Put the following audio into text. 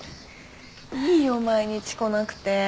いいよ毎日来なくて。